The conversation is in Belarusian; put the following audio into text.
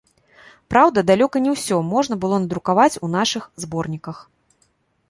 Праўда, далёка не ўсё можна было надрукаваць у нашых зборніках.